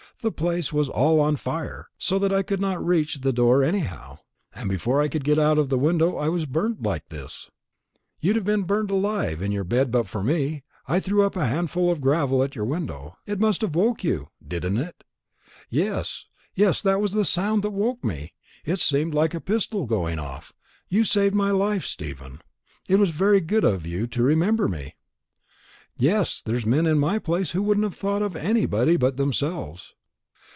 The place was all on fire, so that I couldn't reach the door anyhow; and before I could get out of the window, I was burnt like this. You'd have been burnt alive in your bed but for me. I threw up a handful of gravel at your window. It must have woke you, didn't it?" "Yes, yes, that was the sound that woke me; it seemed like a pistol going off. You saved my life, Stephen. It was very good of you to remember me." "Yes; there's men in my place who wouldn't have thought of anybody but themselves."